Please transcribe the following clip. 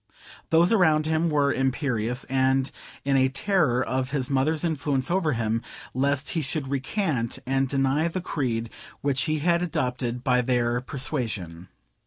Those around him were imperious, and in a terror of his mother's influence over him, lest he should recant, and deny the creed which he had adopted by their persuasion.